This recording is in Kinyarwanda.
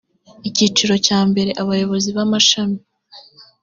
icyiciro cya mbere abayobozi b amashami